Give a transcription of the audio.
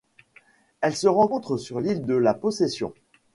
Elle se rencontre sur l'île de la Possession.